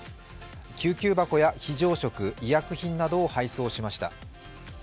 救急箱や非常食、医薬品などを配送しました。